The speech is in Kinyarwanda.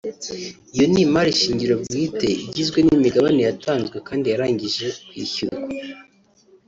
Iyo ni Imari shingiro bwite igizwe n’imigabane yatanzwe kandi yarangije kwishyurwa